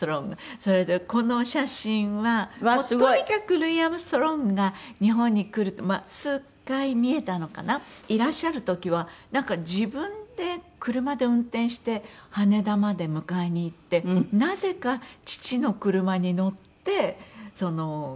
それでこの写真はもうとにかくルイ・アームストロングが日本に来ると数回見えたのかないらっしゃる時はなんか自分で車で運転して羽田まで迎えに行ってなぜか父の車に乗ってそのホテルに入ったり。